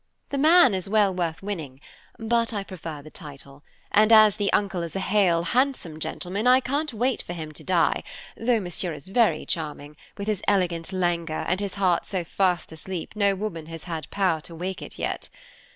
The man is well worth winning, but I prefer the title, and as the uncle is a hale, handsome gentleman, I can't wait for him to die, though Monsieur is very charming, with his elegant languor, and his heart so fast asleep no woman has had power to wake it yet.